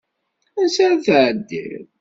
Ansa ara tɛeddiḍ?